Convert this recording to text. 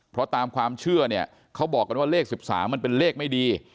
เพราะตามความเชื่อเนี่ยเขาบอกกันว่าเลข๑๓มันเป็นเลขไม่ดี